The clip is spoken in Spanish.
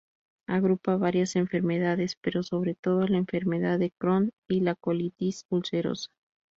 Agrupa varias enfermedades, pero sobre todo la enfermedad de Crohn y la colitis ulcerosa.